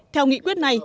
theo nghị quyết này